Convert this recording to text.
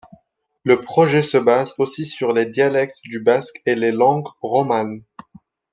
Le projet se base aussi sur les dialectes du basque et les langues romanes.